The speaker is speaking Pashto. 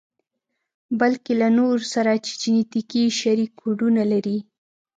بلکې له نورو سره چې جنتیکي شريک کوډونه لري.